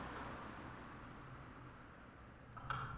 Nativo de África y sudeste de Asia hasta Australia.